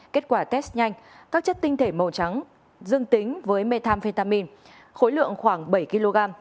kết quả test nhanh các chất tinh thể màu trắng dương tính với methamphetamin khối lượng khoảng bảy kg